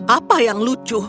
apa yang lucu